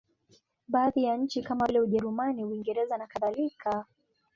Baadhi ya nchi kama vile Ujerumani, Uingereza nakadhalika.